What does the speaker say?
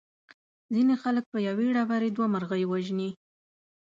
ځینې خلک په یوې ډبرې دوه مرغۍ وژني.